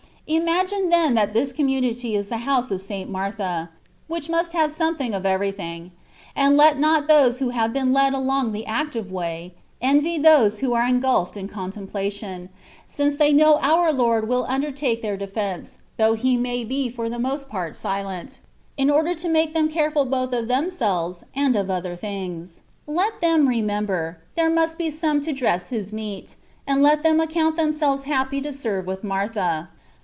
Imagine then that this community is the House of St. Martha, which must have something of every thing ; and let not those who have been led along the " active way^^ envy those who are engulfed in contemplation, since they know our Lord will undertake their defence, though He may be for * In her Lifoi now translated into English. — (Dolman.) a 82 THE WAY OF PERFECTION. the most part silent^ in order to make them careful both of themselves and of all things. Let them remember, there must be some to dress His meat, and let them account themselves happy to serve with Martha.